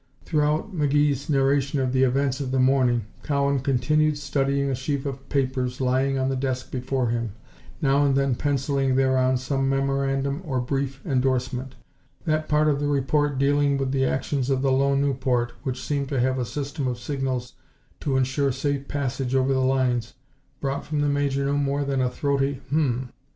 Throughout McGee's narration of the events of the morning, Cowan continued studying a sheaf of papers lying on the desk before him, now and then penciling thereon some memorandum or brief endorsement. That part of the report dealing with the actions of the lone Nieuport, which seemed to have a system of signals to insure safe passage over the lines, brought from the Major no more than a throaty, "Hum m."